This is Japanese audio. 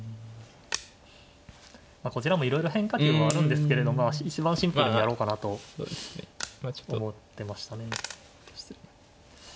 こちらもいろいろ変化球はあるんですけれど一番シンプルにやろうかなと思ってましたね。